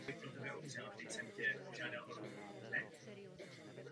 Je považován za certifikační systém vhodný pro malé vlastníky lesů.